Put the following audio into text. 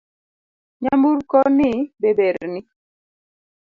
Nyamburko ni be ber ni?